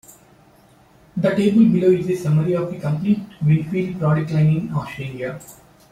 The table below is a summary of the complete Winfield product line in Australia.